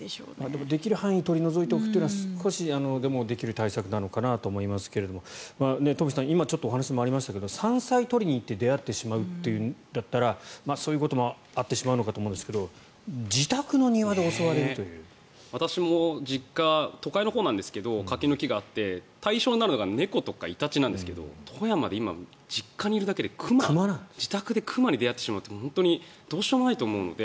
でも、できる範囲で取り除いておくというのは少しでもできる対策なのかなと思いますが東輝さん、今お話もありましたが山菜を採りに行って出会ってしまうというんだったらそういうこともあってしまうのかと思うんですが私も実家都会のほうなんですけど柿の木もあって対象になるのが猫とかイタチなんですが富山で今、実家にいるだけで自宅に熊と出逢ってしまうって本当にどうしようもないと思うので。